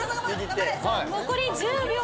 残り１０秒。